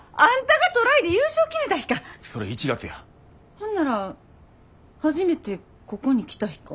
ほんなら初めてここに来た日か？